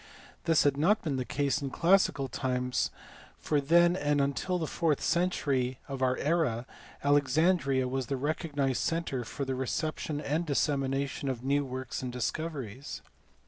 This had not been the case in classical times for then and until the fourth century of our era Alexandria was the recognized centre for the reception and dissemination of new works and discoveries.